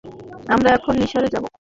আমরা এখন মিশনে যাবো।